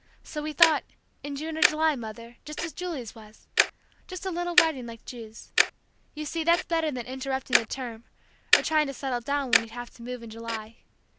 So we thought in June or July, Mother, just as Julie's was! Just a little wedding like Ju's. You see, that's better than interrupting the term, or trying to settle down, when we'd have to move in July.